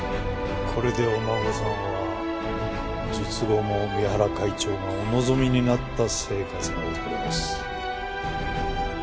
これでお孫さんは術後も三原会長がお望みになった生活が送れます。